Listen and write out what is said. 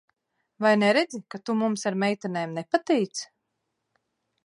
Vai neredzi, ka tu mums ar meitenēm nepatīc?